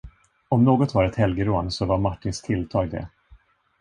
Om något var ett helgerån, så var Martins tilltag det.